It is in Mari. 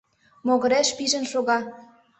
Могыреш пижын шога.